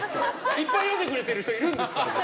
いっぱい読んでくれてる人いるんだから！